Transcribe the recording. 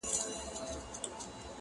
• پلار او مور خپلوان یې ټوله په غصه وي,